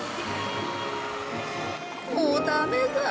もうダメだ。